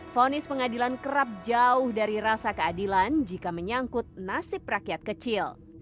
fonis pengadilan kerap jauh dari rasa keadilan jika menyangkut nasib rakyat kecil